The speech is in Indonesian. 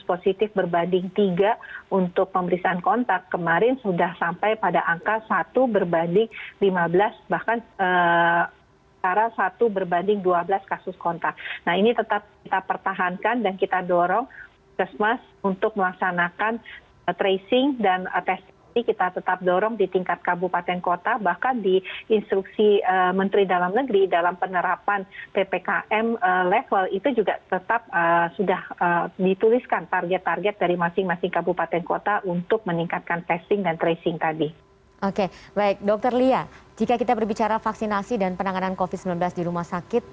oke baik dokter lia jika kita berbicara vaksinasi dan penanganan covid sembilan belas di rumah sakit